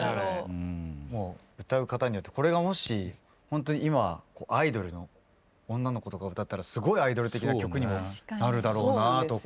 歌う方によってこれがもしほんとに今アイドルの女の子とか歌ったらすごいアイドル的な曲にもなるだろうなとか。